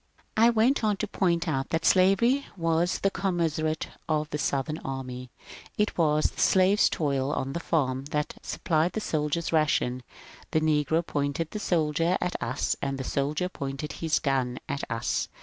I went on to point out that slavery was the commissariat of the Southern army ; it was the slave's toil on the farm that supplied the soldier's ration ; the negro pointed the soldier at us as the soldier pointed his gun at us.